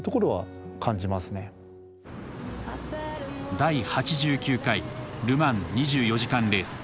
第８９回ル・マン２４時間レース。